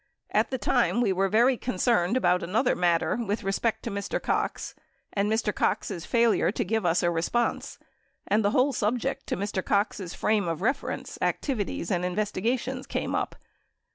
At the time Ave Avere very concerned about another matter with re spect to Mr. Cox and Mi 1 . Cox's failure to giA'e us a response and the whole subject to Mr. Cox's frame of reference, activ ities and investigations came up.